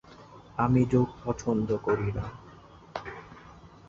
আমি জোক পছন্দ করি না।